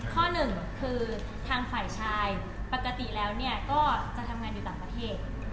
ข้อหนึ่งคือทางฝ่ายชายปกติแล้วก็จะทำงานอยู่ต่างประเทศ